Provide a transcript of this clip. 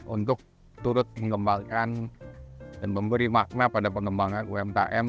untuk turut mengembangkan dan memberi makna pada pengembangan umkm